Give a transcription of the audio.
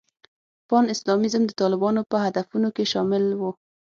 پان اسلامیزم د طالبانو په هدفونو کې شامل و.